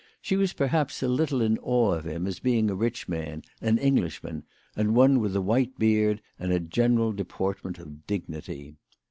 She was perhaps a little in awe of him as being a rich man, an Englishman, and one with a white beard and a general deportment of dignity.